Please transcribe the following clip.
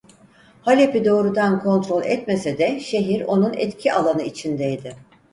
Halep'i doğrudan kontrol etmese de şehir onun etki alanı içindeydi.